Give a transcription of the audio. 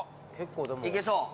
いけそう。